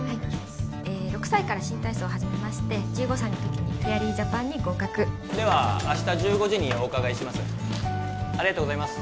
６歳から新体操を始めまして１５歳の時にフェアリージャパンに合格では明日１５時にお伺いします